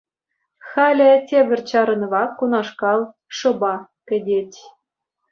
Халӗ тепӗр чарӑнӑва кунашкал шӑпа кӗтет.